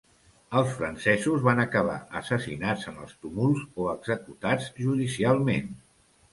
Els francesos van acabar assassinats en els tumults o executats judicialment.